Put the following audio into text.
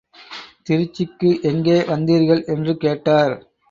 திருச்சிக்கு எங்கே வந்தீர்கள்? என்று கேட்டார்.